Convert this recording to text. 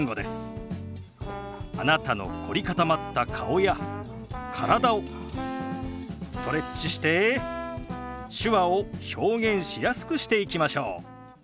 あなたの凝り固まった顔や体をストレッチして手話を表現しやすくしていきましょう。